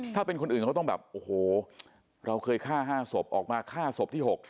ถ้าเป็นคนอื่นเขาต้องแบบโอ้โหเราเคยฆ่า๕ศพออกมาฆ่าศพที่๖